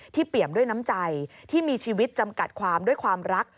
เปี่ยมด้วยน้ำใจที่มีชีวิตจำกัดความด้วยความรัก